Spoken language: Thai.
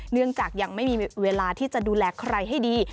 เนื่องจากยังไม่มีเวลาที่จะดูแลใครให้ดี